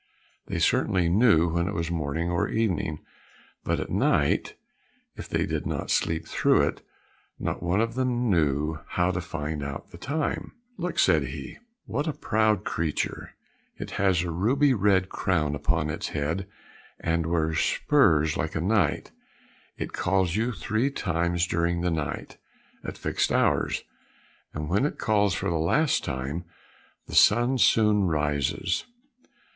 They certainly knew when it was morning or evening, but at night, if they did not sleep through it, not one of them knew how to find out the time. "Look!" said he, "what a proud creature! it has a ruby red crown upon its head, and wears spurs like a knight; it calls you three times during the night, at fixed hours, and when it calls for the last time, the sun soon rises.